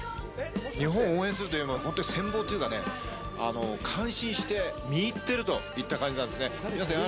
日本を応援するというのは、本当に羨望というかね、感心して見入ってるといった感じなんですね。